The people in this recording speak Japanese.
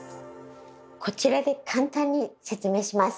こちらで簡単に説明します。